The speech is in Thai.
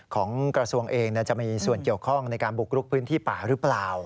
ของกระทรวงเองจะมีส่วนเกี่ยวข้องในการบุกรุกพื้นที่ป่าหรือเปล่า